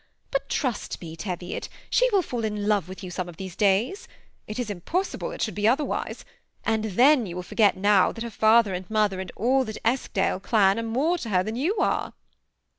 But trust me, Teviot, she will fall in love with you some of these days. It is impossible it should be otherwise ; and then you will forget that now her father and mother and all that Eskdale clan are more to her than you are."